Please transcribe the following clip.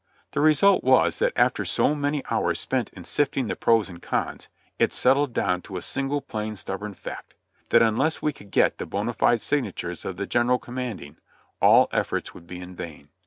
The result was, that after so many hours spent in sifting the pros and cons, it settled down to a single, plain, stubborn fact, that unless we could get the bona fide signatures of the general commanding, all efforts would be in vain.